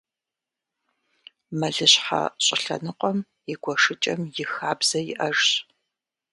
Мэлыщхьэ щӏылъэныкъуэм и гуэшыкӏэм и хабзэ иӏэжщ.